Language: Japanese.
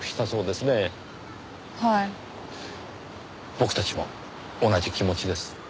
僕たちも同じ気持ちです。